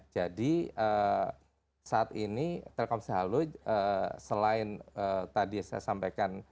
jadi saat ini telkomsel halo selain tadi saya sampaikan